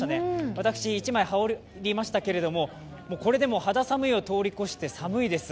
私、一枚羽織りましたけれども、これでも肌寒いを通り越して寒いです。